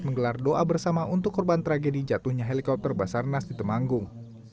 menggelar doa bersama untuk korban tragedi jatuhnya helikopter basarnas di temanggung